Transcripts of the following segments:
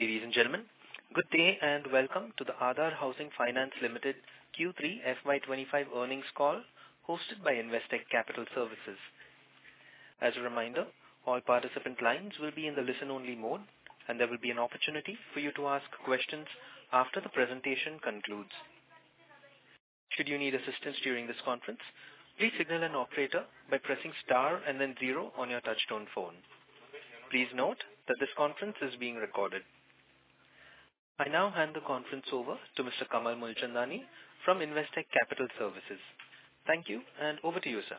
Ladies and gentlemen, good day and welcome to the Aadhar Housing Finance Limited Q3 FY 2025 earnings call hosted by Investec Capital Services. As a reminder, all participant lines will be in the listen-only mode, and there will be an opportunity for you to ask questions after the presentation concludes. Should you need assistance during this conference, please signal an operator by pressing star and then zero on your touchtone phone. Please note that this conference is being recorded. I now hand the conference over to Mr. Kamal Mulchandani from Investec Capital Services. Thank you, and over to you, sir.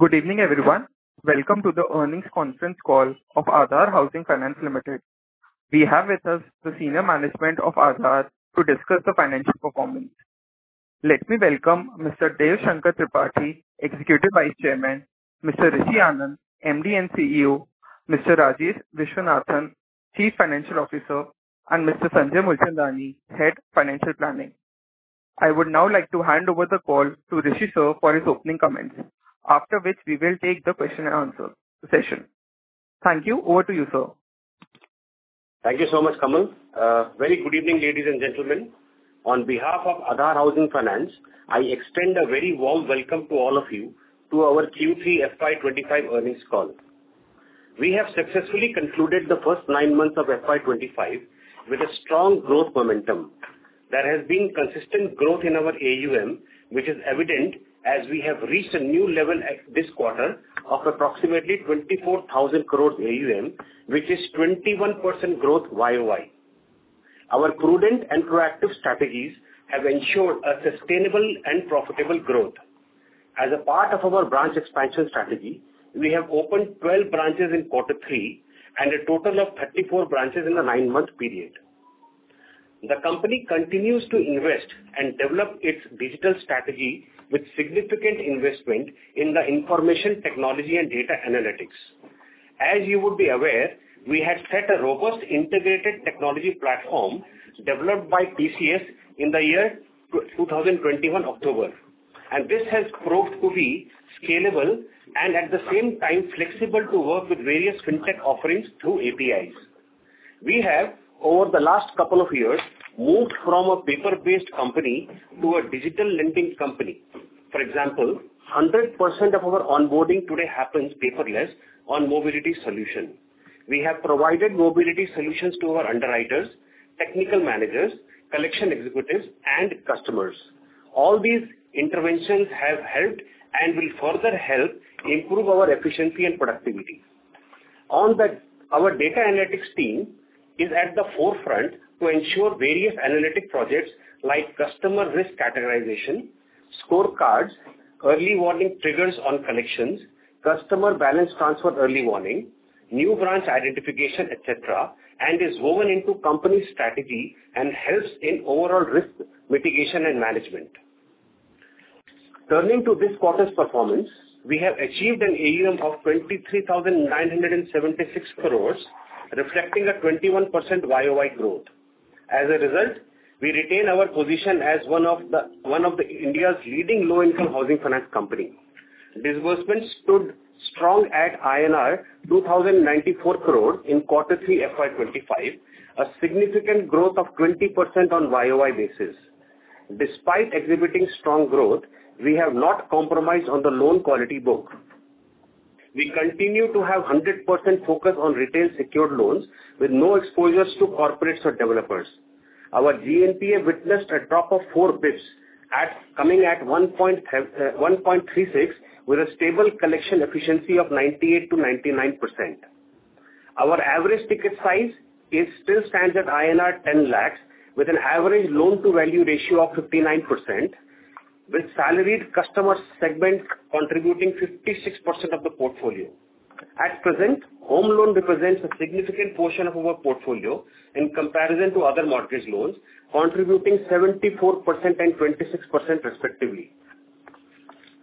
Good evening, everyone. Welcome to the earnings conference call of Aadhar Housing Finance Limited. We have with us the senior management of Aadhar to discuss the financial performance. Let me welcome Mr. Deo Shankar Tripathi, Executive Vice Chairman, Mr. Rishi Anand, MD and CEO, Mr. Rajesh Viswanathan, Chief Financial Officer, and Mr. Sanjay Mulchandani, Head Financial Planning. I would now like to hand over the call to Rishi, sir, for his opening comments, after which we will take the question-and-answer session. Thank you. Over to you, sir. Thank you so much, Kamal. Very good evening, ladies and gentlemen. On behalf of Aadhar Housing Finance, I extend a very warm welcome to all of you to our Q3 FY 2025 earnings call. We have successfully concluded the first nine months of FY 2025 with a strong growth momentum. There has been consistent growth in our AUM, which is evident as we have reached a new level this quarter of approximately 24,000 crore AUM, which is 21% growth YoY. Our prudent and proactive strategies have ensured a sustainable and profitable growth. As a part of our branch expansion strategy, we have opened 12 branches in Q3 and a total of 34 branches in the nine-month period. The company continues to invest and develop its digital strategy with significant investment in the information technology and data analytics. As you would be aware, we had set a robust integrated technology platform developed by TCS in the year 2021 October, and this has proved to be scalable and, at the same time, flexible to work with various fintech offerings through APIs. We have, over the last couple of years, moved from a paper-based company to a digital lending company. For example, 100% of our onboarding today happens paperless on mobility solutions. We have provided mobility solutions to our underwriters, technical managers, collection executives, and customers. All these interventions have helped and will further help improve our efficiency and productivity. Our data analytics team is at the forefront to ensure various analytic projects like customer risk categorization, scorecards, early warning triggers on collections, customer balance transfer early warning, new branch identification, etc., and is woven into company strategy and helps in overall risk mitigation and management. Turning to this quarter's performance, we have achieved an AUM of 23,976 crores, reflecting a 21% YoY growth. As a result, we retain our position as one of India's leading low-income housing finance companies. Disbursements stood strong at INR 2,094 crores in Q3 FY 2025, a significant growth of 20% on YoY basis. Despite exhibiting strong growth, we have not compromised on the loan quality book. We continue to have 100% focus on retail secured loans with no exposures to corporates or developers. Our GNPA witnessed a drop of four basis points, coming at 1.36%, with a stable collection efficiency of 98%-99%. Our average ticket size still stands at INR 10 lakhs, with an average loan-to-value ratio of 59%, with salaried customer segment contributing 56% of the portfolio. At present, home loans represent a significant portion of our portfolio in comparison to other mortgage loans, contributing 74% and 26%, respectively.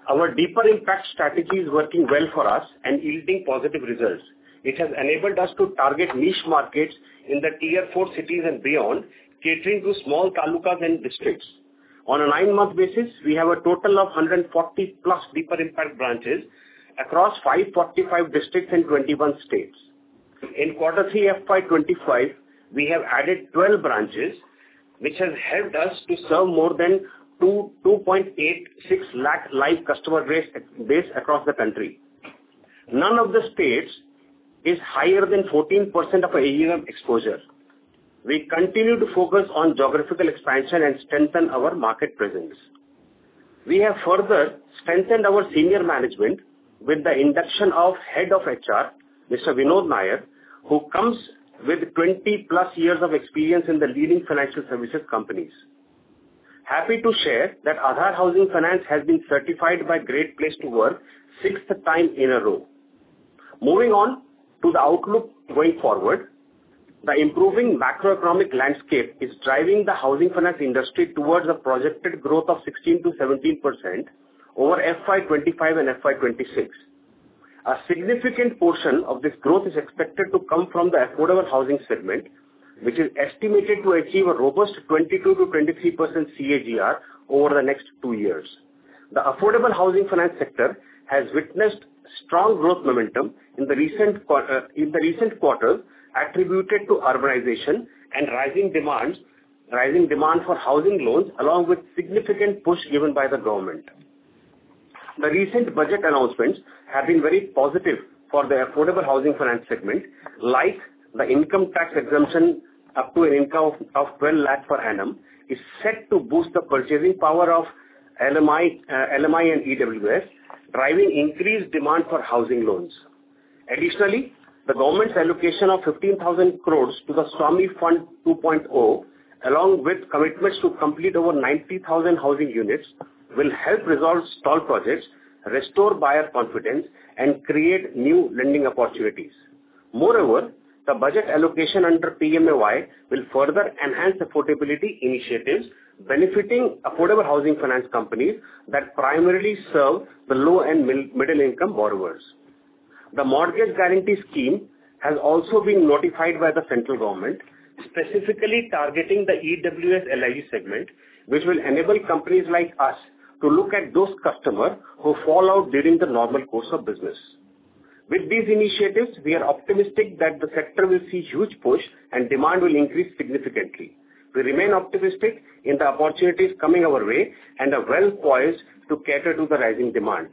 Our deeper impact strategy is working well for us and yielding positive results. It has enabled us to target niche markets in the tier four cities and beyond, catering to small talukas and districts. On a nine-month basis, we have a total of 140+ deeper impact branches across 545 districts and 21 states. In Q3 FY 2025, we have added 12 branches, which has helped us to serve more than 2.86 lakh live customer base across the country. None of the states is higher than 14% of AUM exposure. We continue to focus on geographical expansion and strengthen our market presence. We have further strengthened our senior management with the induction of Head of HR, Mr. Vinod Nair, who comes with 20 years of experience in the leading financial services companies. Happy to share that Aadhar Housing Finance has been certified by Great Place to Work sixth time in a row. Moving on to the outlook going forward, the improving macroeconomic landscape is driving the housing finance industry towards a projected growth of 16%-17% over FY 2025 and FY 2026. A significant portion of this growth is expected to come from the affordable housing segment, which is estimated to achieve a robust 22%-23% CAGR over the next two years. The affordable housing finance sector has witnessed strong growth momentum in the recent quarter attributed to urbanization and rising demand for housing loans, along with significant push given by the government. The recent budget announcements have been very positive for the affordable housing finance segment, like the income tax exemption up to an income of 12 lakh per annum, which is set to boost the purchasing power of LMI and EWS, driving increased demand for housing loans. Additionally, the government's allocation of 15,000 crore to the SWAMIH Fund 2.0, along with commitments to complete over 90,000 housing units, will help resolve stalled projects, restore buyer confidence, and create new lending opportunities. Moreover, the budget allocation under PMAY will further enhance affordability initiatives, benefiting affordable housing finance companies that primarily serve the low and middle-income borrowers. The Mortgage Guarantee Scheme has also been notified by the central government, specifically targeting the EWS LIG segment, which will enable companies like us to look at those customers who fall out during the normal course of business. With these initiatives, we are optimistic that the sector will see a huge push and demand will increase significantly. We remain optimistic in the opportunities coming our way and are well poised to cater to the rising demand.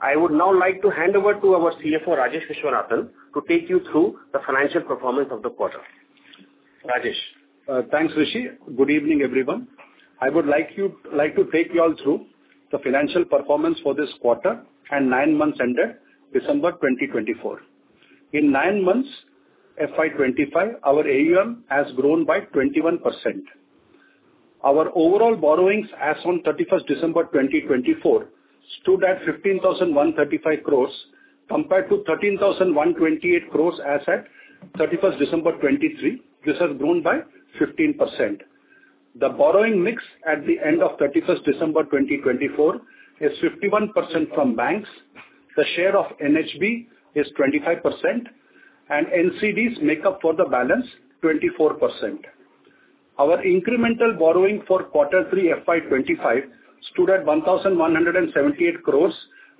I would now like to hand over to our CFO, Rajesh Viswanathan, to take you through the financial performance of the quarter. Rajesh? Thanks, Rishi. Good evening, everyone. I would like to take you all through the financial performance for this quarter and nine months ended December 2024. In nine months FY 2025, our AUM has grown by 21%. Our overall borrowings as of 31 December 2024 stood at 15,135 crore, compared to 13,128 crore as at 31 December 2023, which has grown by 15%. The borrowing mix at the end of 31 December 2024 is 51% from banks. The share of NHB is 25%, and NCDs make up for the balance, 24%. Our incremental borrowing for Q3 FY 2025 stood at 1,178 crore,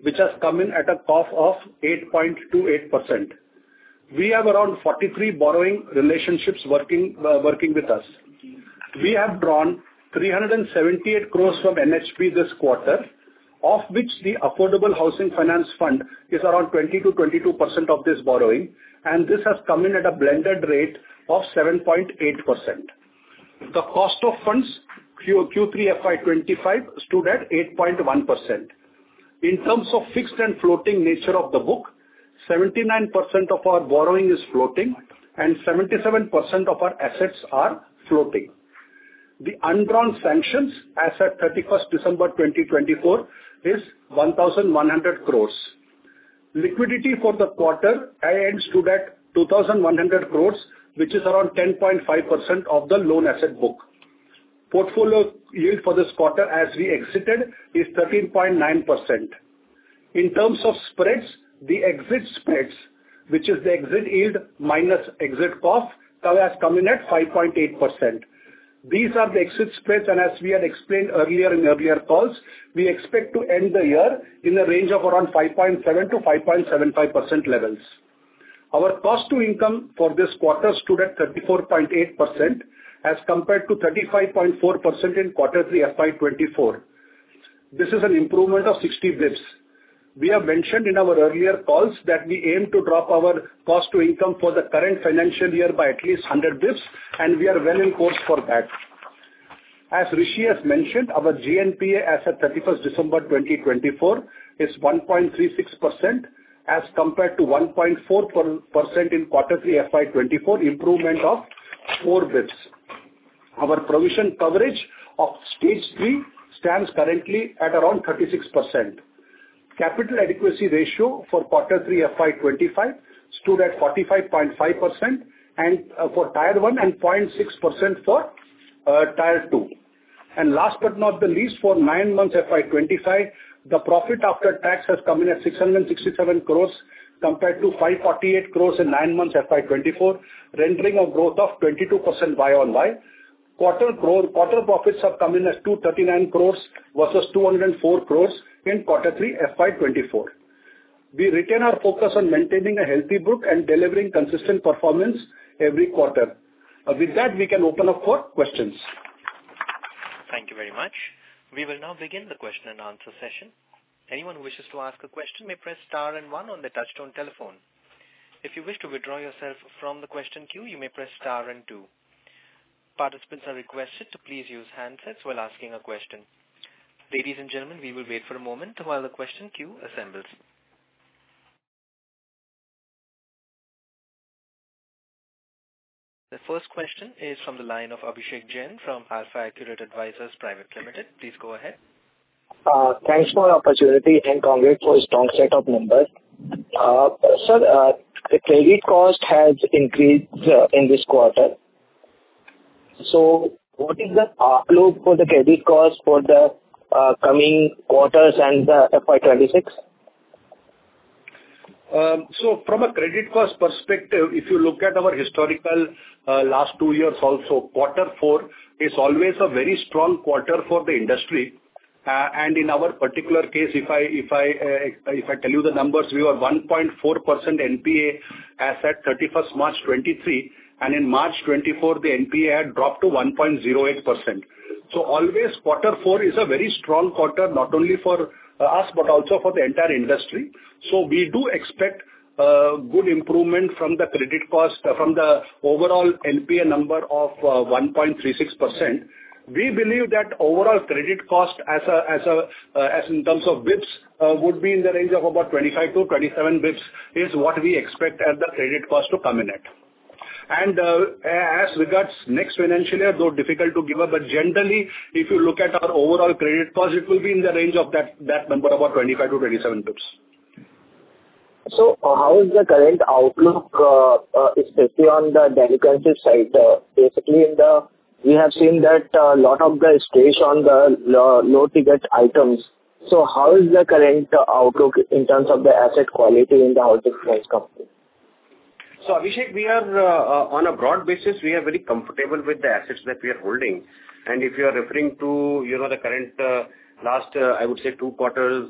which has come in at a cost of 8.28%. We have around 43 borrowing relationships working with us. We have drawn 378 crores from NHB this quarter, of which the affordable housing finance fund is around 20%-22% of this borrowing, and this has come in at a blended rate of 7.8%. The cost of funds Q3 FY 2025 stood at 8.1%. In terms of fixed and floating nature of the book, 79% of our borrowing is floating, and 77% of our assets are floating. The undrawn sanctions as at 31st December 2024 is 1,100 crores. Liquidity for the quarter ends stood at 2,100 crores, which is around 10.5% of the loan asset book. Portfolio yield for this quarter as we exited is 13.9%. In terms of spreads, the exit spreads, which is the exit yield minus exit cost, have come in at 5.8%. These are the exit spreads, and as we had explained earlier in earlier calls, we expect to end the year in a range of around 5.7%-5.75% levels. Our cost to income for this quarter stood at 34.8% as compared to 35.4% in Q3 FY 2024. This is an improvement of 60 basis points. We have mentioned in our earlier calls that we aim to drop our cost to income for the current financial year by at least 100 basis points, and we are well in course for that. As Rishi has mentioned, our GNPA as at 31st December 2024 is 1.36% as compared to 1.4% in Q3 FY 2024, improvement of 4 basis points. Our provision coverage of stage three stands currently at around 36%. Capital adequacy ratio for Q3 FY 2025 stood at 45.5% for tier one and 0.6% for tier two. Last but not the least, for nine months FY 2025, the profit after tax has come in at 667 crore compared to 548 crore in nine months FY 2024, rendering a growth of 22% YoY. Quarter profits have come in at 239 crore versus 204 crore in Q3 FY 2024. We retain our focus on maintaining a healthy book and delivering consistent performance every quarter. With that, we can open up for questions. Thank you very much. We will now begin the question and answer session. Anyone who wishes to ask a question may press star and one on the touchstone telephone. If you wish to withdraw yourself from the question queue, you may press star and two. Participants are requested to please use handsets while asking a question. Ladies and gentlemen, we will wait for a moment while the question queue assembles. The first question is from the line of Abhishek Jain from AlfAccurate Advisors Private Limited. Please go ahead. Thanks for the opportunity and congrats for this strong set of numbers. Sir, the credit cost has increased in this quarter. What is the outlook for the credit cost for the coming quarters and the FY 2026? From a credit cost perspective, if you look at our historical last two years, also quarter four is always a very strong quarter for the industry. In our particular case, if I tell you the numbers, we were 1.4% NPA as at 31 March 2023, and in March 2024, the NPA had dropped to 1.08%. Quarter four is a very strong quarter, not only for us, but also for the entire industry. We do expect good improvement from the credit cost, from the overall NPA number of 1.36%. We believe that overall credit cost, in terms of basis points, would be in the range of about 25-27 basis points is what we expect the credit cost to come in at. As regards next financial year, though difficult to give up, but generally, if you look at our overall credit cost, it will be in the range of that number, about 25%-27% basis points. How is the current outlook, especially on the delinquency side? Basically, we have seen that a lot of the stage on the low-ticket items. How is the current outlook in terms of the asset quality in the housing finance company? Abhishek, on a broad basis, we are very comfortable with the assets that we are holding. If you are referring to the current last, I would say, two quarters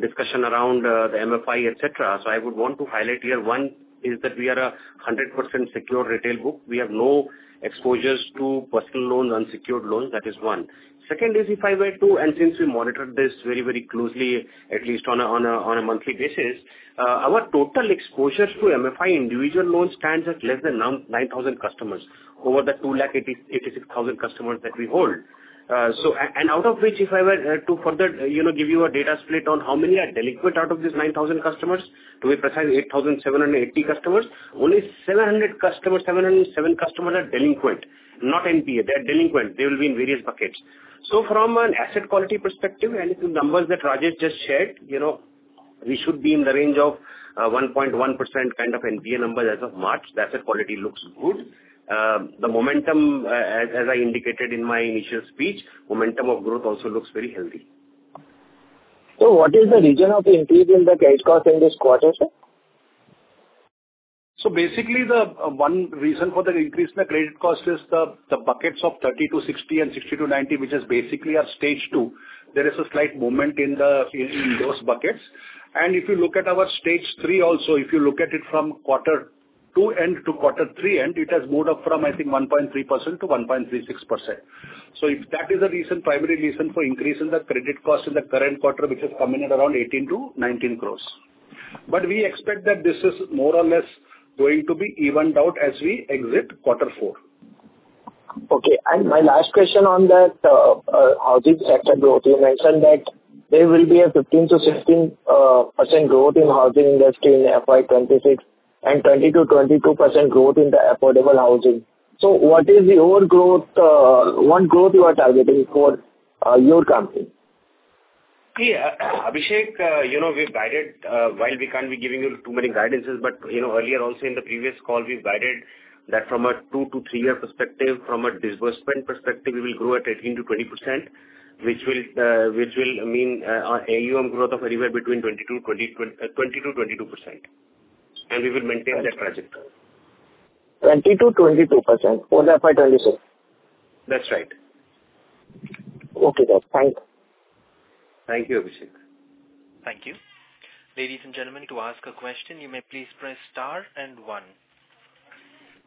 discussion around the MFI, etc., I would want to highlight here one is that we are a 100% secure retail book. We have no exposures to personal loans, unsecured loans. That is one. Second is, if I were to, and since we monitor this very, very closely, at least on a monthly basis, our total exposure to MFI individual loans stands at less than 9,000 customers over the 286,000 customers that we hold. Out of which, if I were to further give you a data split on how many are delinquent out of these 9,000 customers, to be precise, 8,780 customers, only 707 customers are delinquent. Not NPA. They are delinquent. They will be in various buckets. From an asset quality perspective, and the numbers that Rajesh just shared, we should be in the range of 1.1% kind of NPA numbers as of March. The asset quality looks good. The momentum, as I indicated in my initial speech, momentum of growth also looks very healthy. What is the reason of the increase in the credit cost in this quarter, sir? Basically, the one reason for the increase in the credit cost is the buckets of 30%-60% and 60%-90%, which is basically our stage two. There is a slight movement in those buckets. If you look at our stage three also, if you look at it from quarter two end to quarter three end, it has moved up from, I think, 1.3% to 1.36%. That is the reason, primary reason for increase in the credit cost in the current quarter, which has come in at around 18 crore-19 crore. We expect that this is more or less going to be evened out as we exit quarter four. Okay. My last question on that housing sector growth, you mentioned that there will be a 15%-16% growth in the housing industry in FY 2026 and 20%-22% growth in the affordable housing. What is your growth, what growth you are targeting for your company? See, Abhishek, we've guided, while we can't be giving you too many guidances, but earlier also in the previous call, we've guided that from a two to three-year perspective, from a disbursement perspective, we will grow at 18%-20%, which will mean AUM growth of anywhere between 20%-22%. We will maintain that trajectory. 20%-22% for FY 2026? That's right. Okay, sir. Thank you. Thank you, Abhishek. Thank you. Ladies and gentlemen, to ask a question, you may please press star and one.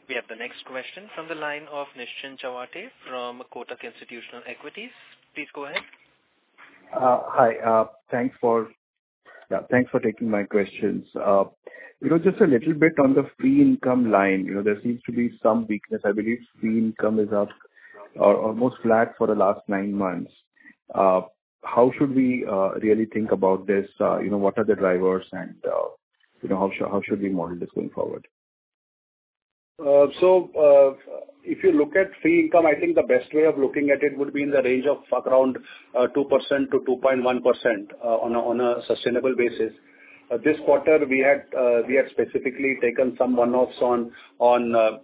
We have the next question from the line of Nischint Chawathe from Kotak Institutional Equities. Please go ahead. Hi. Thanks for taking my questions. Just a little bit on the fee income line. There seems to be some weakness. I believe fee income is up or almost flat for the last nine months. How should we really think about this? What are the drivers, and how should we model this going forward? If you look at fee income, I think the best way of looking at it would be in the range of around 2%-2.1% on a sustainable basis. This quarter, we had specifically taken some one-offs on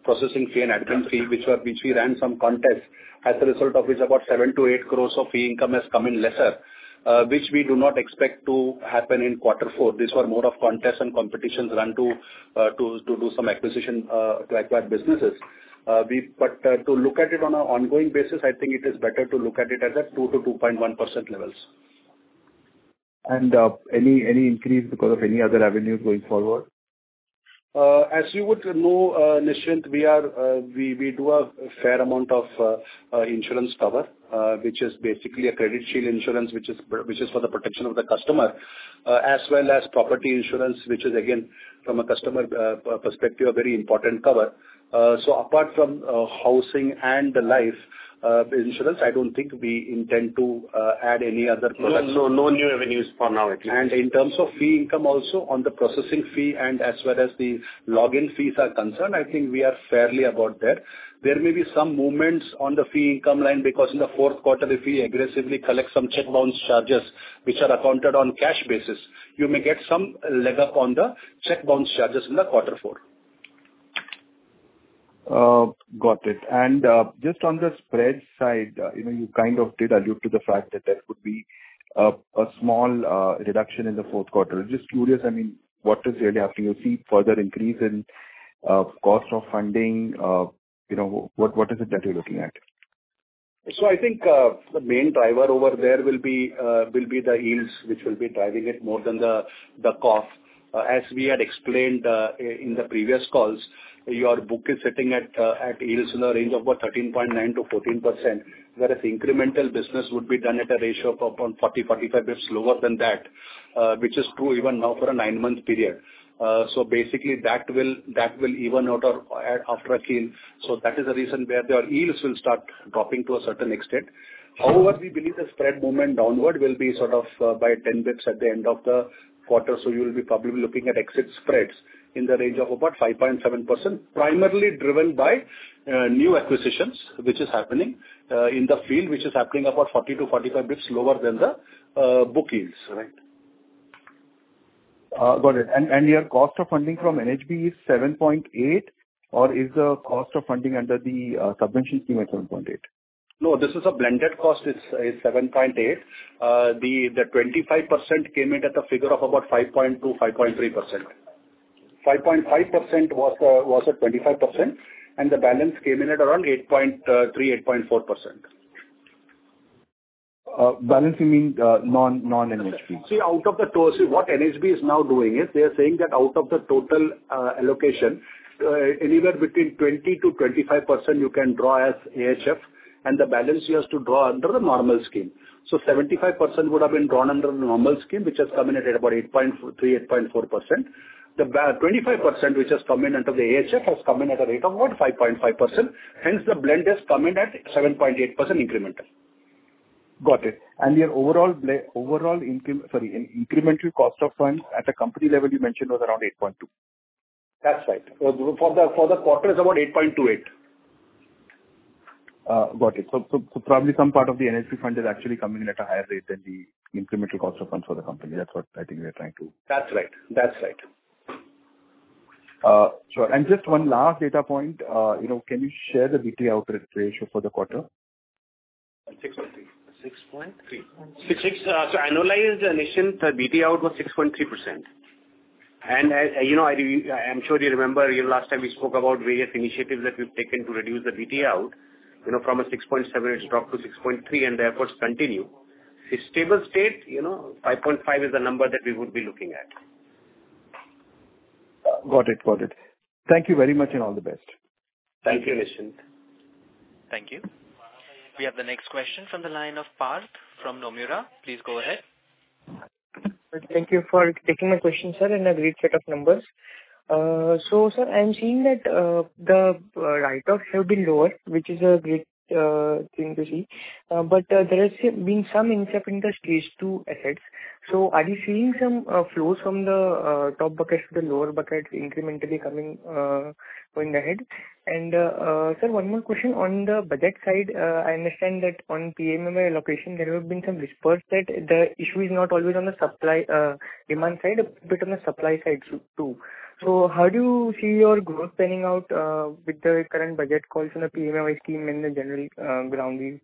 processing fee and admin fee, which we ran some contests, as a result of which about 7 crore-8 crore of fee income has come in lesser, which we do not expect to happen in quarter four. These were more of contests and competitions run to do some acquisition to acquire businesses. To look at it on an ongoing basis, I think it is better to look at it as at 2%-2.1% levels. Any increase because of any other avenues going forward? As you would know, Nischint, we do a fair amount of insurance cover, which is basically a credit shield insurance, which is for the protection of the customer, as well as property insurance, which is, again, from a customer perspective, a very important cover. Apart from housing and the life insurance, I don't think we intend to add any other products. No new avenues for now, at least. In terms of fee income also on the processing fee and as well as the login fees are concerned, I think we are fairly about there. There may be some movements on the fee income line because in the fourth quarter, if we aggressively collect some cheque bounce charges, which are accounted on cash basis, you may get some leg up on the cheque bounce charges in the quarter four. Got it. Just on the spreads side, you kind of did allude to the fact that there could be a small reduction in the fourth quarter. Just curious, I mean, what is really happening? You see further increase in cost of funding? What is it that you're looking at? I think the main driver over there will be the yields, which will be driving it more than the cost. As we had explained in the previous calls, your book is sitting at yields in the range of about 13.9%-14%, whereas incremental business would be done at a ratio of around 40%-45%, which is slower than that, which is true even now for a nine-month period. Basically, that will even out or add after a yield. That is the reason where yields will start dropping to a certain extent. However, we believe the spread movement downward will be sort of by 10 basis points at the end of the quarter. You will be probably looking at exit spreads in the range of about 5.7%, primarily driven by new acquisitions, which is happening in the field, which is happening about 40-45 basis points lower than the book yields. Got it. Your cost of funding from NHB is 7.8%, or is the cost of funding under the subvention scheme at 7.8%? No, this is a blended cost. It's 7.8%. The 25% came in at a figure of about 5.2%-5.3%. 5.5% was at 25%, and the balance came in at around 8.3%-8.4%. Balance, you mean non-NHB? See, out of the total, see what NHB is now doing is they are saying that out of the total allocation, anywhere between 20%-25%, you can draw as AHF, and the balance you have to draw under the normal scheme. 75% would have been drawn under the normal scheme, which has come in at about 8.3%-8.4%. The 25%, which has come in under the AHF, has come in at a rate of about 5.5%. Hence, the blend has come in at 7.8% incremental. Got it. Your overall incremental cost of funds at the company level you mentioned was around 8.2%? That's right. For the quarter, it's about 8.28%. Got it. Probably some part of the NHB fund is actually coming in at a higher rate than the incremental cost of funds for the company. That is what I think we are trying to. That's right. That's right. Sure. Just one last data point. Can you share the BT out ratio for the quarter? 6.3%. 6.3%. Sorry, analyzed, Nischint, the BT out was 6.3%. And I'm sure you remember last time we spoke about various initiatives that we've taken to reduce the BT out from 6.7%, it's dropped to 6.3%, and therefore it's continued. Stable state, 5.5% is the number that we would be looking at. Got it. Got it. Thank you very much and all the best. Thank you, Nischint. Thank you. We have the next question from the line of Parth from Nomura. Please go ahead. Thank you for taking my question, sir, and a great set of numbers. Sir, I'm seeing that the write-offs have been lower, which is a great thing to see. There has been some inset in the stage two assets. Are you seeing some flows from the top buckets to the lower buckets incrementally coming ahead? Sir, one more question on the budget side. I understand that on PMAY allocation, there have been some whispers that the issue is not always on the supply-demand side, a bit on the supply side too. How do you see your growth panning out with the current budget calls on the PMAY scheme and the general ground?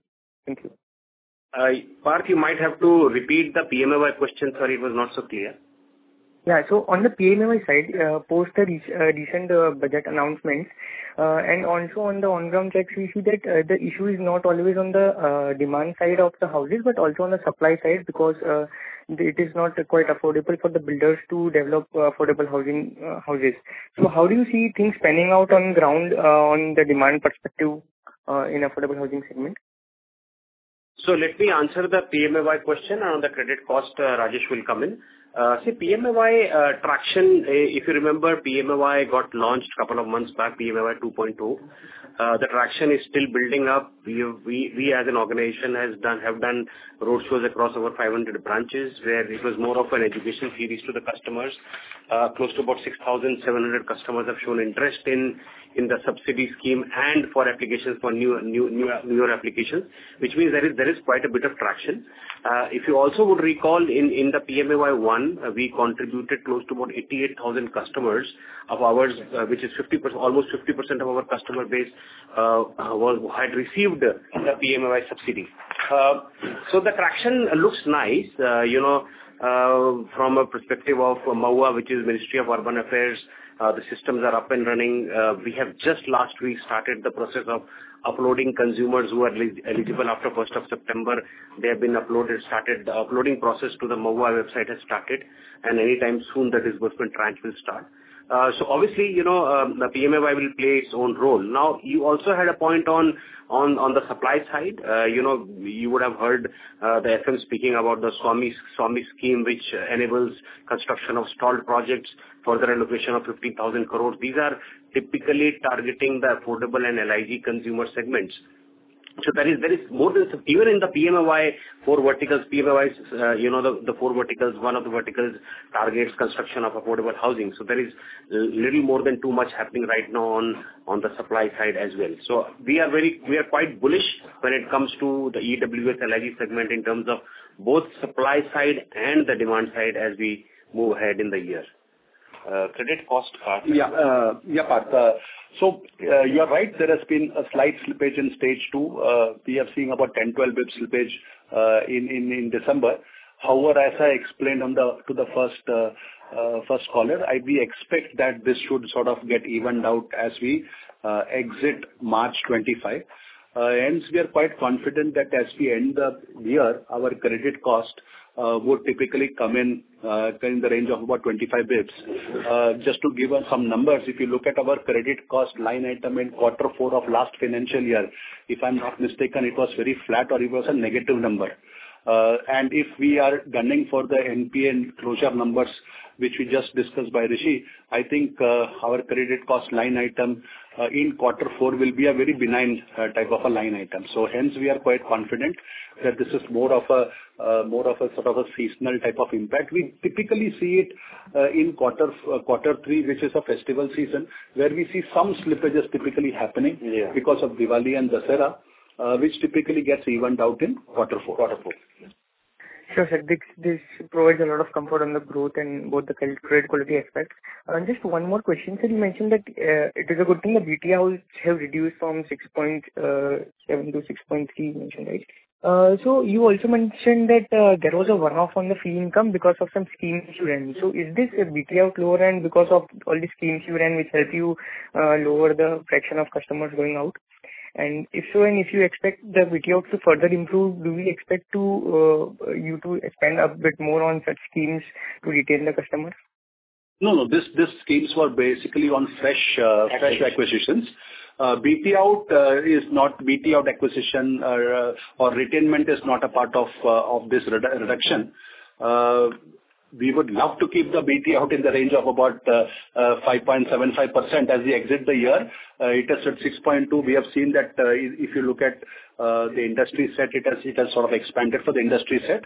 Thank you. Parth, you might have to repeat the PMAY question. Sorry, it was not so clear. Yeah. On the PMAY side, post the recent budget announcement, and also on the on-ground checks, we see that the issue is not always on the demand side of the houses, but also on the supply side because it is not quite affordable for the builders to develop affordable houses. How do you see things panning out on the ground on the demand perspective in the affordable housing segment? Let me answer the PMAY question around the credit cost. Rajesh will come in. See, PMAY traction, if you remember, PMAY got launched a couple of months back, PMAY 2.0. The traction is still building up. We, as an organization, have done roadshows across over 500 branches where it was more of an education series to the customers. Close to about 6,700 customers have shown interest in the subsidy scheme and for applications for newer applications, which means there is quite a bit of traction. If you also would recall, in the PMAY 1, we contributed close to about 88,000 customers of ours, which is almost 50% of our customer base had received the PMAY subsidy. The traction looks nice. From a perspective of MoHUA, which is the Ministry of Urban Affairs, the systems are up and running. We have just last week started the process of uploading consumers who are eligible after 1st of September. They have been uploaded. The uploading process to the PMAY website has started, and anytime soon, the disbursement tranche will start. Obviously, the PMAY will play its own role. Now, you also had a point on the supply side. You would have heard the FM speaking about the SWAMIH scheme, which enables construction of stalled projects for the allocation of 15,000 crore. These are typically targeting the affordable and LIG consumer segments. There is more than even in the PMAY four verticals, PMAY's the four verticals. One of the verticals targets construction of affordable housing. There is little more than too much happening right now on the supply side as well. We are quite bullish when it comes to the EWS LIG segment in terms of both supply side and the demand side as we move ahead in the year. Credit cost cut. Yeah, Parth. You are right. There has been a slight slippage in stage two. We are seeing about 10%-12% basis points slippage in December. However, as I explained to the first caller, we expect that this should sort of get evened out as we exit March 2025. Hence, we are quite confident that as we end the year, our credit cost would typically come in in the range of about 25 basis points. Just to give some numbers, if you look at our credit cost line item in quarter four of last financial year, if I'm not mistaken, it was very flat or it was a negative number. If we are gunning for the NPA closure numbers, which we just discussed by Rishi, I think our credit cost line item in quarter four will be a very benign type of a line item. Hence, we are quite confident that this is more of a sort of a seasonal type of impact. We typically see it in quarter three, which is a festival season, where we see some slippages typically happening because of Diwali and Dasara, which typically gets evened out in quarter four. Sure, sir. This provides a lot of comfort on the growth and both the credit quality aspects. Just one more question. Sir, you mentioned that it is a good thing that BT outs have reduced from 6.7% to 6.3%, right? You also mentioned that there was a one-off on the fee income because of some scheme insurance. Is this BT out lower because of all these schemes you ran, which help you lower the fraction of customers going out? If so, and if you expect the BT out to further improve, do we expect you to expand a bit more on such schemes to retain the customers? No, no. These schemes were basically on fresh acquisitions. BT out is not BT out acquisition or retainment is not a part of this reduction. We would love to keep the BT out in the range of about 5.75% as we exit the year. It is at 6.2%. We have seen that if you look at the industry set, it has sort of expanded for the industry set.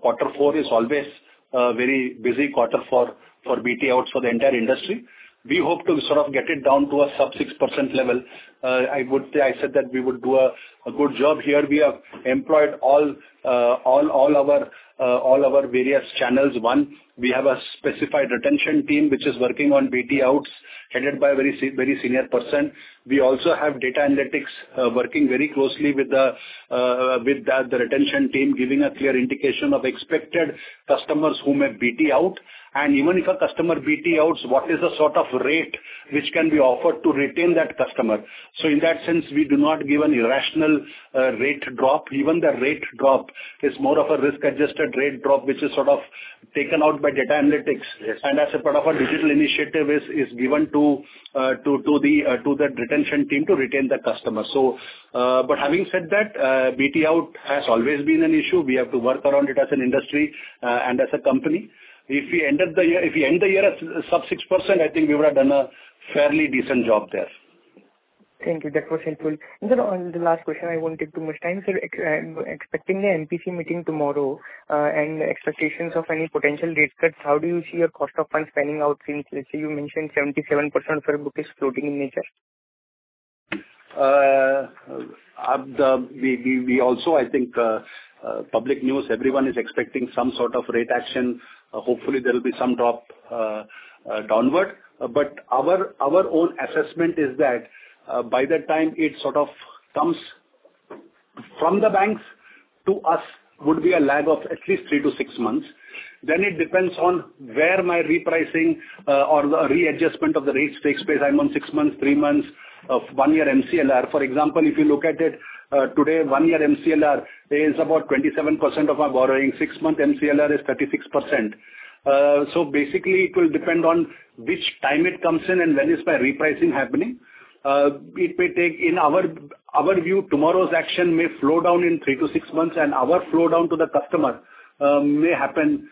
Quarter four is always a very busy quarter for BT outs for the entire industry. We hope to sort of get it down to a sub 6% level. I said that we would do a good job here. We have employed all our various channels. One, we have a specified retention team, which is working on BT outs headed by a very senior person. We also have data analytics working very closely with the retention team, giving a clear indication of expected customers who may BT out. Even if a customer BT outs, what is the sort of rate which can be offered to retain that customer? In that sense, we do not give an irrational rate drop. Even the rate drop is more of a risk-adjusted rate drop, which is sort of taken out by data analytics. As a part of our digital initiative, it is given to the retention team to retain the customer. Having said that, BT out has always been an issue. We have to work around it as an industry and as a company. If we end the year at sub 6%, I think we would have done a fairly decent job there. Thank you. That was helpful. Sir, on the last question, I won't take too much time. Sir, expecting the MPC meeting tomorrow and expectations of any potential rate cuts, how do you see your cost of funds panning out since you mentioned 77% of your book is floating in nature? We also, I think, public news, everyone is expecting some sort of rate action. Hopefully, there will be some drop downward. Our own assessment is that by the time it sort of comes from the banks to us, it would be a lag of at least three to six months. It depends on where my repricing or the readjustment of the rates takes place. I'm on six months, three months, one-year MCLR. For example, if you look at it today, one-year MCLR is about 27% of our borrowing. Six-month MCLR is 36%. Basically, it will depend on which time it comes in and when is my repricing happening. It may take, in our view, tomorrow's action may slow down in three to six months, and our slowdown to the customer may happen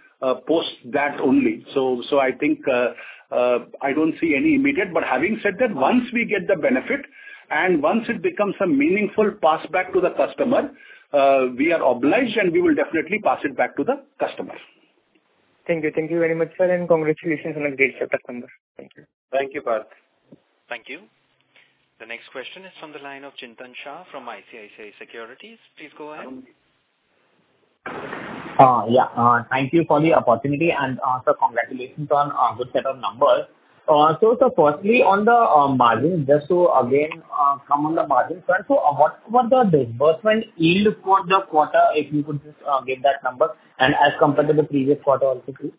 post that only. I don't see any immediate. Having said that, once we get the benefit and once it becomes a meaningful passback to the customer, we are obliged, and we will definitely pass it back to the customer. Thank you. Thank you very much, sir, and congratulations on a great set of numbers. Thank you. Thank you, Parth. Thank you. The next question is from the line of Chintan Shah from ICICI Securities. Please go ahead. Yeah. Thank you for the opportunity. Sir, congratulations on a good set of numbers. Firstly, on the margin, just to again come on the margin front, what was the disbursement yield for the quarter, if you could just give that number? As compared to the previous quarter also, please.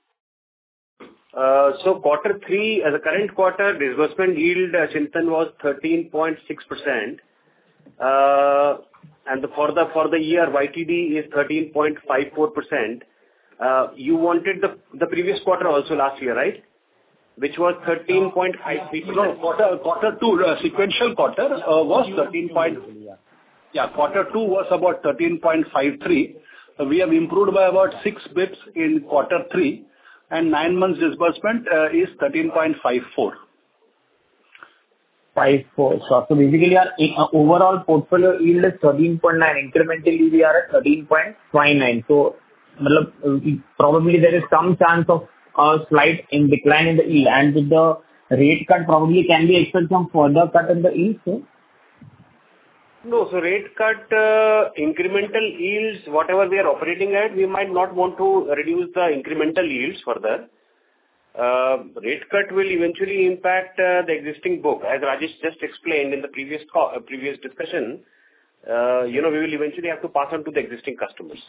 Quarter three, as a current quarter, disbursement yield, Chintan, was 13.6%. For the year, YTD is 13.54%. You wanted the previous quarter also last year, right? Which was 13.53%. No, quarter two, sequential quarter was 13%. Yeah, quarter two was about 13.53%. We have improved by about 6 basis points in quarter three. And nine months disbursement is 13.54%. Basically, our overall portfolio yield is 13.9%. Incrementally, we are at 13.59%. Probably there is some chance of a slight decline in the yield. With the rate cut, probably can we expect some further cut in the yield, sir? No, so rate cut, incremental yields, whatever we are operating at, we might not want to reduce the incremental yields further. Rate cut will eventually impact the existing book. As Rajesh just explained in the previous discussion, we will eventually have to pass on to the existing customers.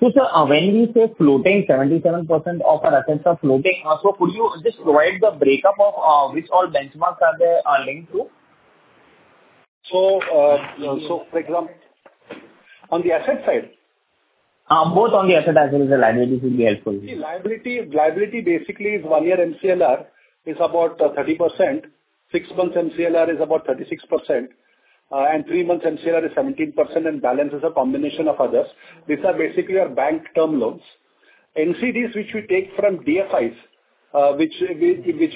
Sure. Sir, when we say floating, 77% of our assets are floating, could you just provide the breakup of which all benchmarks are they linked to? For example, on the asset side? Both on the asset as well as the liability would be helpful. See, liability basically is one-year MCLR is about 30%. Six-month MCLR is about 36%. Three-month MCLR is 17% and balance is a combination of others. These are basically our bank term loans. NCDs, which we take from DFIs, which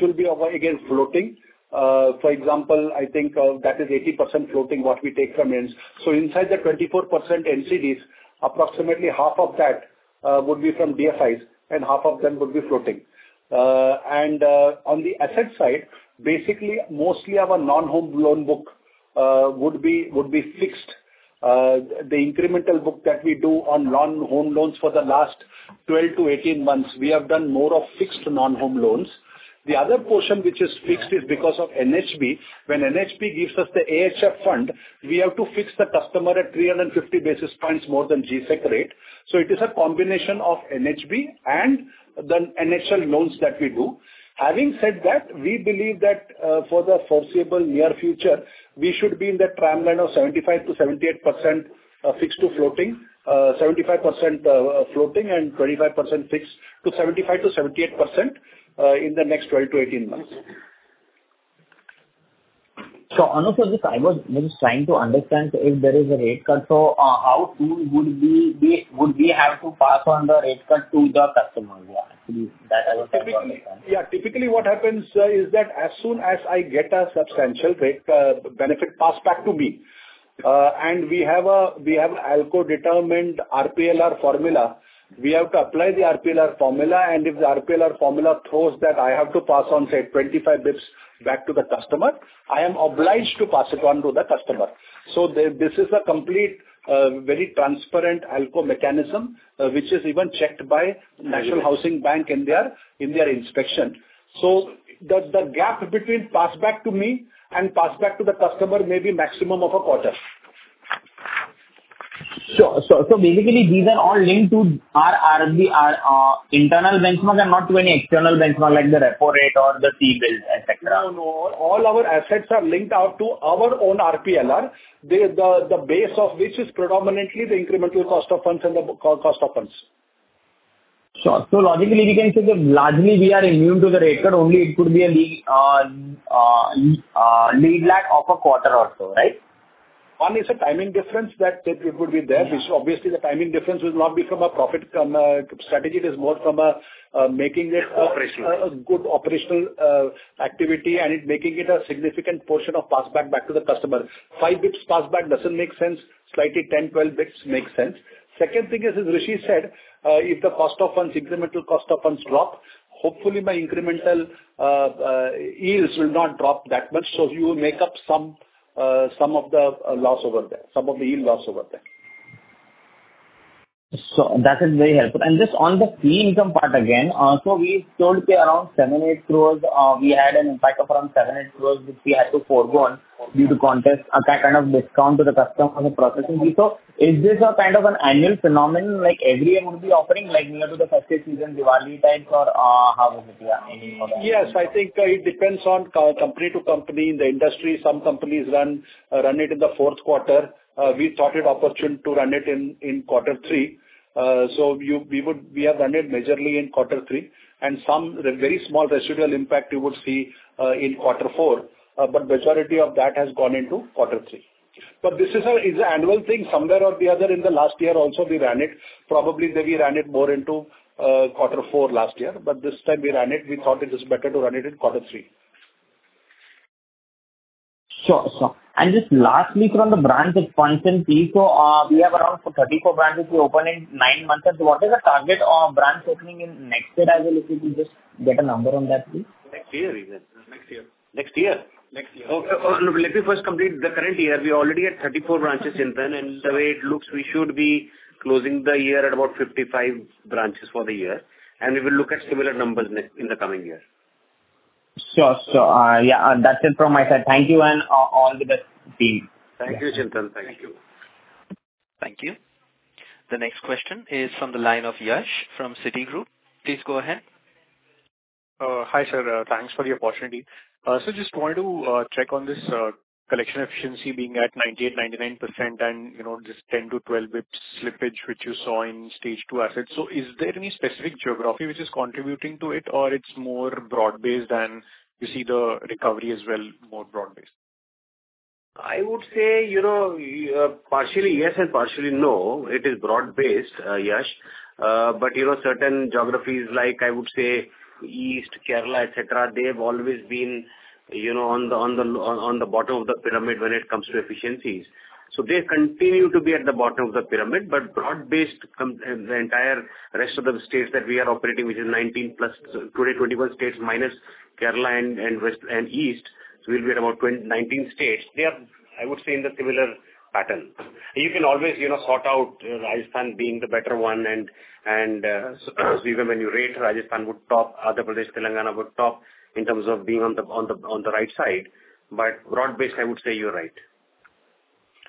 will be again floating. For example, I think that is 80% floating what we take from ends. Inside the 24% NCDs, approximately half of that would be from DFIs, and half of them would be floating. On the asset side, basically, mostly our non-home loan book would be fixed. The incremental book that we do on non-home loans for the last 12-18 months, we have done more of fixed non-home loans. The other portion which is fixed is because of NHB. When NHB gives us the AHF fund, we have to fix the customer at 350 basis points more than G-SEC rate. It is a combination of NHB and the NHL loans that we do. Having said that, we believe that for the foreseeable near future, we should be in the tram line of 75%-78% fixed to floating, 75% floating, and 25% fixed to 75%-78% in the next 12 to 18 months. Honestly, sir, I was just trying to understand if there is a rate cut. How soon would we have to pass on the rate cut to the customers? Yeah, typically what happens is that as soon as I get a substantial rate benefit passed back to me, and we have an ALCO-determined RPLR formula, we have to apply the RPLR formula. If the RPLR formula throws that I have to pass on, say, 25 basis points back to the customer, I am obliged to pass it on to the customer. This is a complete, very transparent ALCO mechanism, which is even checked by National Housing Bank in their inspection. The gap between passed back to me and passed back to the customer may be maximum of a quarter. These are all linked to our internal benchmark and not to any external benchmark like the repo rate or the T bill, etc. No, no. All our assets are linked out to our own RPLR, the base of which is predominantly the incremental cost of funds and the cost of funds. Sure. Logically, we can say that largely we are immune to the rate cut. Only it could be a lead lag of a quarter or so, right? One is a timing difference that it would be there, which obviously the timing difference will not be from a profit strategy. It is more from making it a good operational activity and making it a significant portion of passed back to the customer. Five basis points passed back does not make sense. Slightly 10-12 basis points makes sense. Second thing is, as Rishi said, if the cost of funds, incremental cost of funds drop, hopefully my incremental yields will not drop that much. You will make up some of the loss over there, some of the yield loss over there. That is very helpful. Just on the fee income part again, we sold around 7 crore-8 crore. We had an impact of around 7 crore-8 crore which we had to forego due to contest, a kind of discount to the customer for processing. Is this a kind of an annual phenomenon? Every year would we be offering near to the festive season, Diwali times, or how is it? Yes, I think it depends on company to company in the industry. Some companies run it in the fourth quarter. We thought it opportune to run it in quarter three. We have done it majorly in quarter three. Some very small residual impact you would see in quarter four. The majority of that has gone into quarter three. This is an annual thing somewhere or the other. In the last year also we ran it. Probably we ran it more into quarter four last year. This time we ran it. We thought it is better to run it in quarter three. Sure. Just lastly, from the branch expansion, we have around 34 branches we opened in nine months. What is the target of branch opening in next year? Just get a number on that, please. Next year. Next year. Next year. Let me first complete the current year. We are already at 34 branches in 10. The way it looks, we should be closing the year at about 55 branches for the year. We will look at similar numbers in the coming year. Sure. Yeah. That's it from my side. Thank you and all the best team. Thank you, Chintan. Thank you. Thank you. The next question is from the line of Yash from Citigroup. Please go ahead. Hi, sir. Thanks for the opportunity. Just wanted to check on this collection efficiency being at 98%, 99%, and this 10-12 basis points slippage which you saw in stage two assets. Is there any specific geography which is contributing to it, or it's more broad-based and you see the recovery as well more broad-based? I would say partially yes and partially no. It is broad-based, Yash. Certain geographies like, I would say, East, Kerala, etc., they have always been on the bottom of the pyramid when it comes to efficiencies. They continue to be at the bottom of the pyramid. Broad-based, the entire rest of the states that we are operating, which is 19+ 20, 21 states minus Kerala and East, we'll be at about 19 states. They are, I would say, in the similar pattern. You can always sort out Rajasthan being the better one. Even when you rate, Rajasthan would top, other Pradesh, Telangana would top in terms of being on the right side. Broad-based, I would say you're right.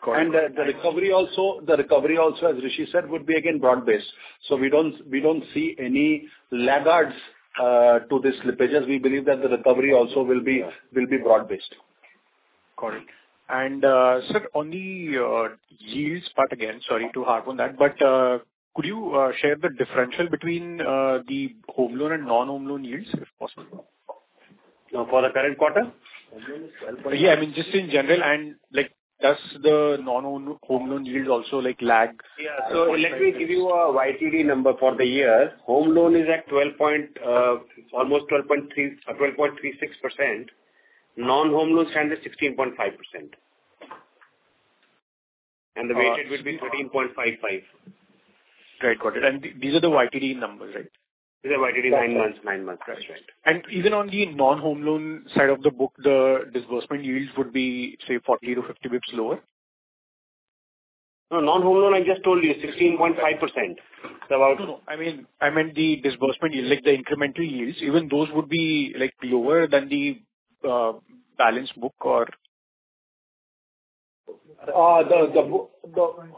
The recovery also, as Rishi said, would be again broad-based. We don't see any laggards to the slippages. We believe that the recovery also will be broad-based. Got it. Sir, on the yields part again, sorry to harp on that, but could you share the differential between the home loan and non-home loan yields, if possible? For the current quarter? Yeah, I mean, just in general. Does the non-home loan yield also lag? Yeah. Let me give you a YTD number for the year. Home loan is at almost 12.36%. Non-home loan standard is 16.5%. The weighted will be 13.55%. Right. Got it. And these are the YTD numbers, right? These are YTD nine months. Nine months. Right. Right. Even on the non-home loan side of the book, the disbursement yields would be, say, 40-50 basis points lower? Non-home loan, I just told you, 16.5%. It's about. I mean, the disbursement yield, the incremental yields, even those would be lower than the balance book or? The yield is 16.99.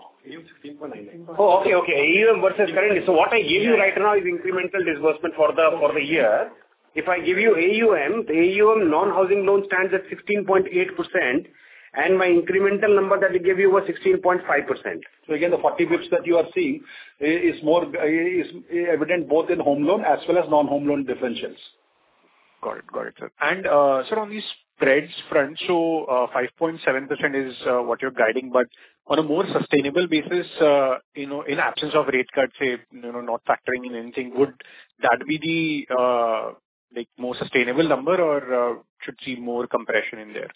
Oh, okay, okay. AUM versus current. What I give you right now is incremental disbursement for the year. If I give you AUM, the AUM non-housing loan stands at 16.8%. My incremental number that I gave you was 16.5%. The 40 basis points that you are seeing is more evident both in home loan as well as non-home loan differentials. Got it. Got it, sir. Sir, on the spreads front, 5.7% is what you're guiding. On a more sustainable basis, in absence of rate cut, say, not factoring in anything, would that be the more sustainable number, or should see more compression in there?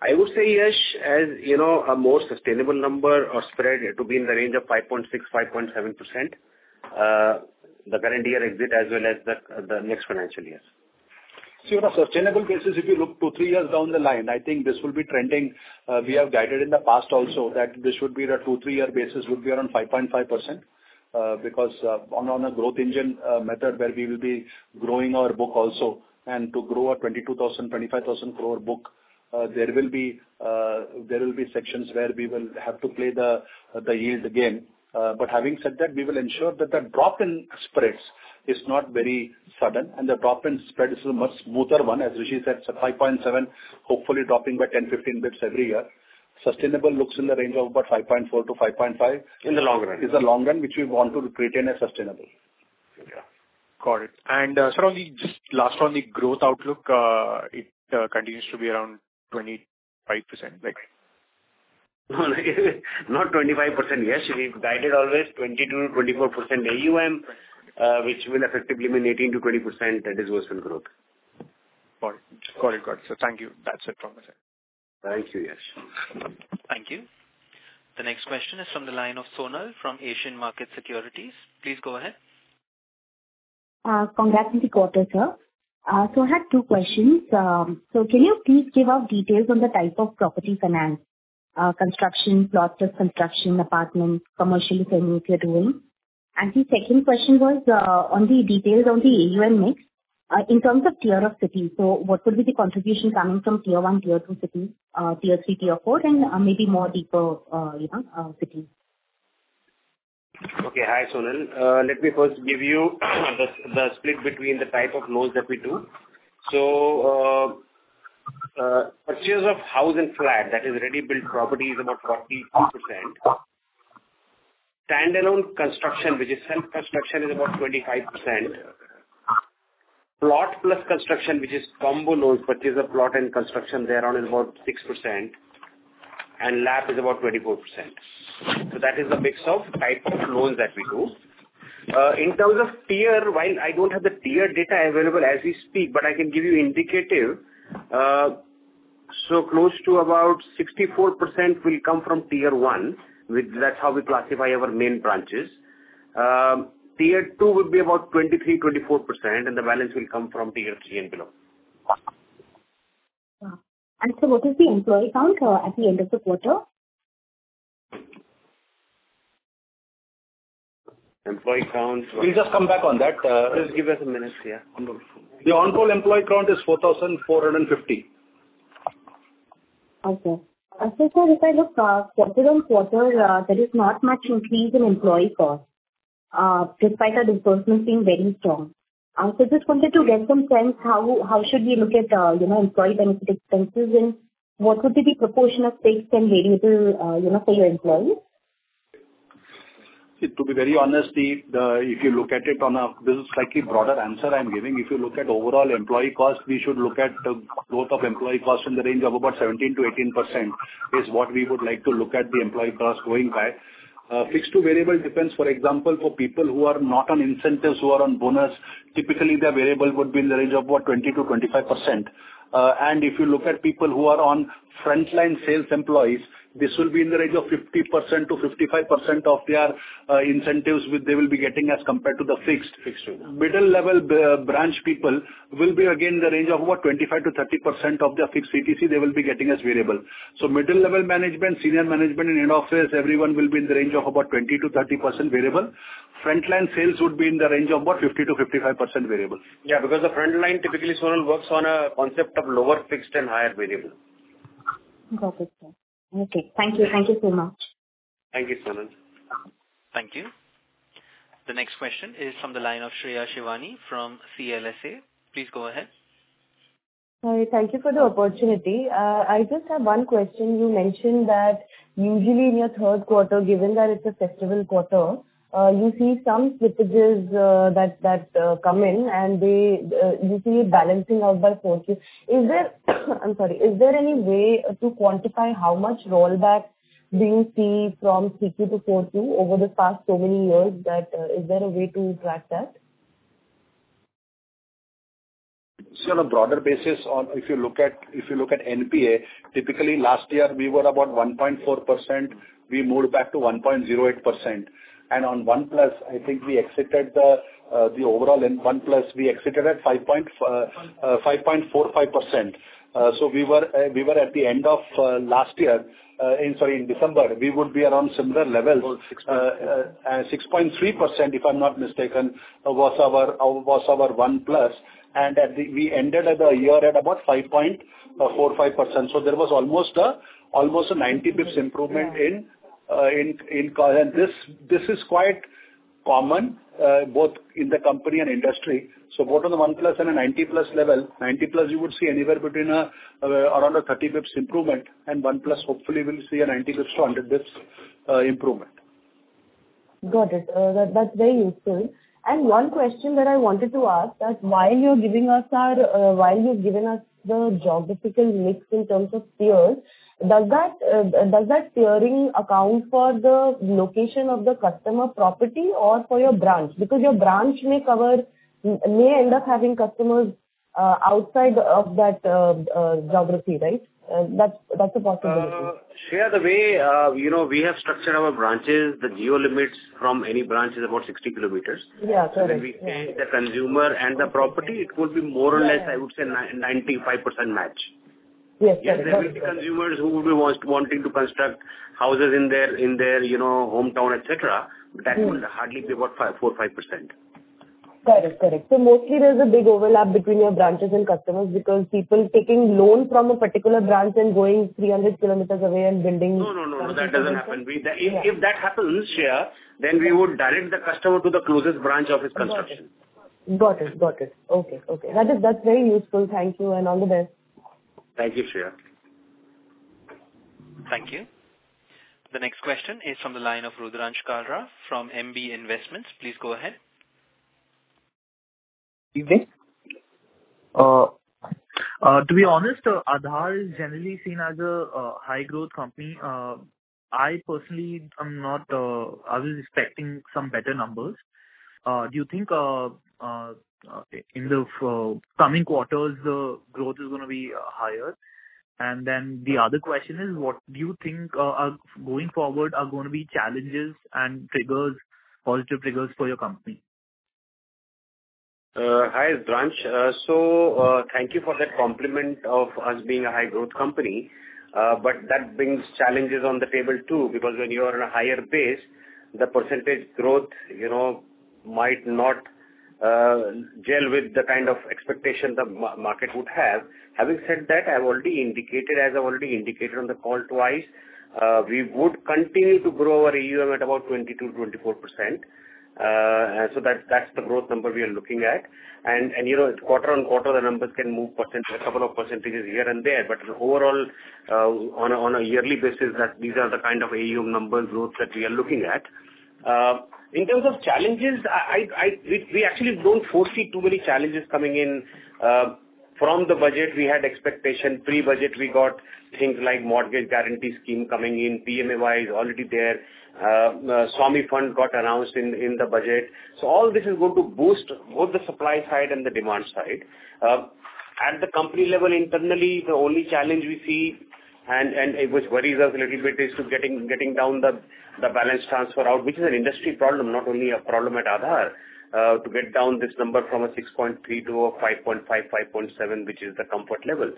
I would say, Yash, as a more sustainable number or spread to be in the range of 5.6%-5.7%, the current year exit as well as the next financial year. See, on a sustainable basis, if you look two to three years down the line, I think this will be trending. We have guided in the past also that this should be a two to three-year basis, would be around 5.5% because on a growth engine method where we will be growing our book also. To grow a 22,000 crore-25,000 crore book, there will be sections where we will have to play the yield again. Having said that, we will ensure that the drop in spreads is not very sudden. The drop in spreads is a much smoother one, as Rishi said, 5.7, hopefully dropping by 10-15 basis points every year. Sustainable looks in the range of about 5.4%-5.5% in the long run. In the long run, which we want to retain as sustainable. Got it. Sir, just last on the growth outlook, it continues to be around 25%. Not 25%, Yash. We've guided always 22%-24% AUM, which will effectively mean 18%-20% disbursement growth. Got it. Got it. Thank you. That's it from my side. Thank you, Yash. Thank you. The next question is from the line of Sonal from Asian Market Securities. Please go ahead. Congratulations, sir. I had two questions. Can you please give out details on the type of property finance, construction, plot-plus construction, apartment, commercial, if any if you're doing? The second question was on the details on the AUM mix, in terms of tier of cities. What would be the contribution coming from tier one, tier two cities, tier three, tier four, and maybe more deeper cities? Okay. Hi, Sonal. Let me first give you the split between the type of loans that we do. Purchase of house and flat, that is ready-built property, is about 42%. Stand-alone construction, which is self-construction, is about 25%. Plot-plus construction, which is combo loans, purchase of plot and construction, there are around about 6%. And LAP is about 24%. That is the mix of type of loans that we do. In terms of tier, while I do not have the tier data available as we speak, I can give you indicative, so close to about 64% will come from tier one. That is how we classify our main branches. Tier two would be about 23%-24%, and the balance will come from tier three and below. Sir, what is the employee count at the end of the quarter? Employee count. We'll just come back on that. Please give us a minute here. The on-call employee count is 4,450. Okay. Sir, if I look quarter on quarter, there is not much increase in employee cost, despite our disbursements being very strong. Just wanted to get some sense, how should we look at employee benefit expenses, and what would be the proportion of fixed and variable for your employees? To be very honest, if you look at it on a slightly broader answer I'm giving, if you look at overall employee cost, we should look at the growth of employee cost in the range of about 17%-18% is what we would like to look at the employee cost going by. Fixed to variable depends, for example, for people who are not on incentives, who are on bonus, typically their variable would be in the range of about 20%-25%. If you look at people who are on frontline sales employees, this will be in the range of 50%-55% of their incentives they will be getting as compared to the fixed. Middle-level branch people will be again in the range of about 25%-30% of their fixed CTC they will be getting as variable. Middle-level management, senior management in head office, everyone will be in the range of about 20%-30% variable. Frontline sales would be in the range of about 50%-55% variable. Yeah, because the frontline, typically, Sonal works on a concept of lower fixed and higher variable. Got it, sir. Okay. Thank you. Thank you so much. Thank you, Sonal. Thank you. The next question is from the line of Shreya Shivani from CLSA. Please go ahead. Thank you for the opportunity. I just have one question. You mentioned that usually in your third quarter, given that it's a festival quarter, you see some slippages that come in, and you see it balancing out by Q4. I'm sorry. Is there any way to quantify how much rollback do you see from Q3 to Q4 over the past so many years? Is there a way to track that? See, on a broader basis, if you look at NPA, typically last year we were about 1.4%. We moved back to 1.08%. On 1+, I think we exited the overall 1+, we exited at 5.45%. We were at the end of last year, sorry, in December, we would be around similar levels. 6.3%, if I'm not mistaken, was our 1+. We ended the year at about 5.45%. There was almost a 90 basis points improvement in. This is quite common both in the company and industry. Both on the 1+ and a 90+ level, 90+ you would see anywhere between around a 30 basis points improvement. 1+, hopefully, will see a 90 basis points to 100 basis points improvement. Got it. That's very useful. One question that I wanted to ask is that while you're giving us, or while you've given us, the geographical mix in terms of tiers, does that tiering account for the location of the customer property or for your branch? Because your branch may end up having customers outside of that geography, right? That's a possibility. Shreya, the way we have structured our branches, the geo limits from any branch is about 60 km. When we see the consumer and the property, it would be more or less, I would say, 95% match. There will be consumers who will be wanting to construct houses in their hometown, etc. That would hardly be about 4%-5%. Got it. Got it. Mostly there is a big overlap between your branches and customers because people taking loans from a particular branch and going 300 kilometers away and building. No, no, no, no. That doesn't happen. If that happens, Shreya, then we would direct the customer to the closest branch of his construction. Got it. Got it. Okay. Okay. That's very useful. Thank you. All the best. Thank you, Shreya. Thank you. The next question is from the line of Rudransh Kalra from MB Investments. Please go ahead. Evening. To be honest, Aadhar is generally seen as a high-growth company. I personally am not, I was expecting some better numbers. Do you think in the coming quarters the growth is going to be higher? What do you think going forward are going to be challenges and positive triggers for your company? Hi, Rudransh. Thank you for that compliment of us being a high-growth company. That brings challenges on the table too because when you are on a higher base, the percentage growth might not gel with the kind of expectation the market would have. Having said that, as I've already indicated on the call twice, we would continue to grow our AUM at about 22%-24%. That's the growth number we are looking at. Quarter on quarter, the numbers can move a couple of percentages here and there. Overall, on a yearly basis, these are the kind of AUM number growth that we are looking at. In terms of challenges, we actually don't foresee too many challenges coming in from the budget. We had expectation pre-budget. We got things like Mortgage Guarantee Scheme coming in. PMAY is already there. SWAMIH Fund got announced in the budget. All this is going to boost both the supply side and the demand side. At the company level, internally, the only challenge we see, and which worries us a little bit, is getting down the balance transfer out, which is an industry problem, not only a problem at Aadhar, to get down this number from 6.3% to 5.5%-5.7%, which is the comfort level.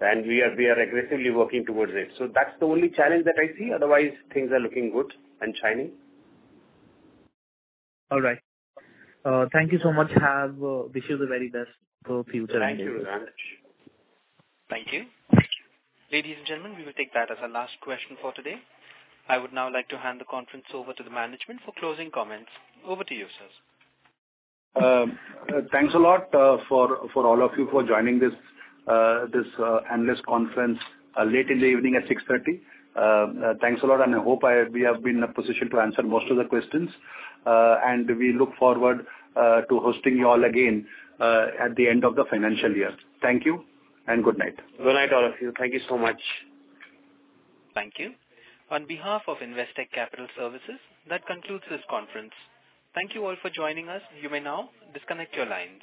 We are aggressively working towards it. That is the only challenge that I see. Otherwise, things are looking good and shining. All right. Thank you so much. Wish you the very best for the future. Thank you, Rudransh. Thank you. Ladies and gentlemen, we will take that as our last question for today. I would now like to hand the conference over to the management for closing comments. Over to you, sir. Thanks a lot for all of you for joining this Analyst conference late in the evening at 6:30. Thanks a lot. I hope we have been in a position to answer most of the questions. We look forward to hosting you all again at the end of the financial year. Thank you and good night. Good night, all of you. Thank you so much. Thank you. On behalf of Investec Capital Services, that concludes this conference. Thank you all for joining us. You may now disconnect your lines.